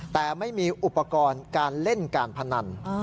แต่ไม่มีอุปกรณ์การเล่นการพนัน